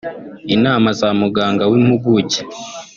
inama za muganga w’impuguke